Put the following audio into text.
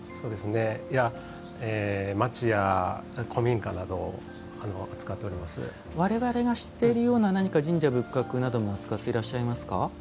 町家、古民家などを我々が知っているような何か神社仏閣なども扱っていらっしゃいますか。